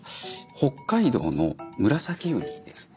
北海道のムラサキウニですね。